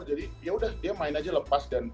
jadi ya udah dia main aja lepas